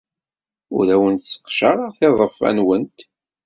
Ur awent-sseqcareɣ tiḍeffa-nwent.